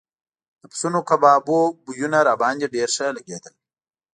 د پسونو کبابو بویونه راباندې ډېر ښه لګېدل.